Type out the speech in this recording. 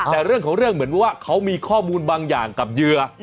แต่เรื่องของเรื่องเหมือนว่าเขามีข้อมูลบางอย่างกับเหยื่อ